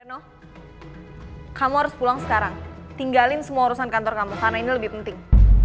no kamu harus pulang sekarang tinggalin semua urusan kantor kamu karena ini lebih penting